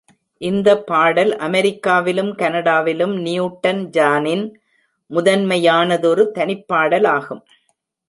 இந்த பாடல் அமெரிக்காவிலும் கனடாவிலும் நியூட்டன்-ஜானின் முதன்மையானதொரு தனிப்படாலாகும்.